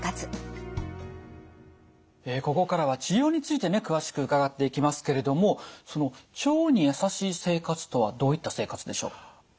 ここからは治療についてね詳しく伺っていきますけれどもその「腸にやさしい生活」とはどういった生活でしょう？